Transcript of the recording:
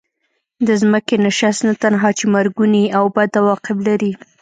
د ځمکې نشست نه تنها چې مرګوني او بد عواقب لري.